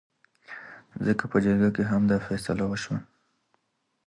ځکه په جرګه کې هم دا فيصله وشوه